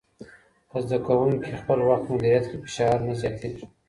که زده کوونکي خپل وخت مدیریت کړي، فشار نه زیاتېږي.